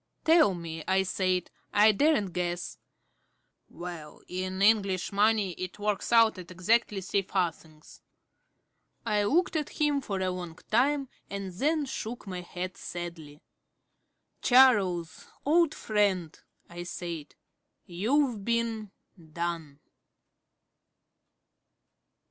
"Tell me," I said. "I daren't guess." "Well, in English money it works out at exactly three farthings." I looked at him for a long time and then shook my head sadly. "Charles, old friend," I said, "you've been done."